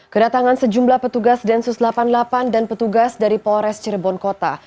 kedatangan sejumlah petugas densus delapan puluh delapan dan petugas dari polres cirebon kota